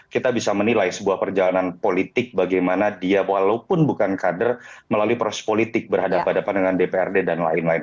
kita bisa menilai sebuah perjalanan politik bagaimana dia walaupun bukan kader melalui proses politik berhadapan hadapan dengan dprd dan lain lain